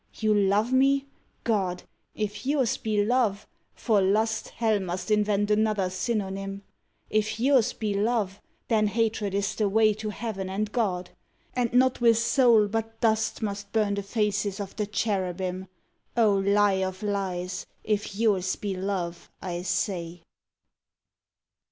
"You love me"? God! If yours be love, for lust Hell must invent another synonym! If yours be love, then hatred is the way To Heaven and God! and not with soul but dust Must burn the faces of the Cherubim, O lie of lies, if yours be love, I say!